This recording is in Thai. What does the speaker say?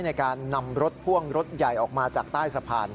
ในการนำรถพ่วงรถใหญ่ออกมาจากใต้สะพาน